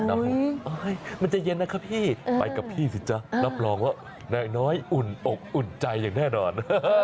มันจะเย็นนะครับพี่ไปกับพี่สิจ๊ะรับรองว่านายน้อยอุ่นอกอุ่นใจอย่างแน่นอน